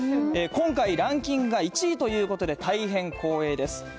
今回、ランキングが１位ということで、大変光栄です。